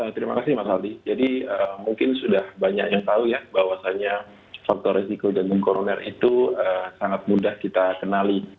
terima kasih mas aldi jadi mungkin sudah banyak yang tahu ya bahwasannya faktor resiko jantung koroner itu sangat mudah kita kenali